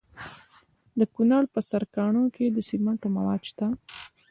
د کونړ په سرکاڼو کې د سمنټو مواد شته.